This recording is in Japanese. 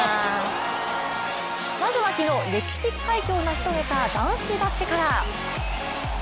まずは昨日、歴史的快挙を成し遂げた男子バスケから。